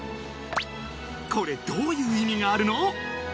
これどういう意味があるの？